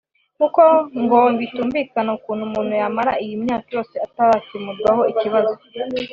kuko ngo bitumvikana ukuntu umuntu yamara iyi myaka yose atarakemurirwa ikibazo